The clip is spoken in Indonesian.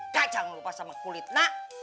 kak jangan lupa sama kulit nak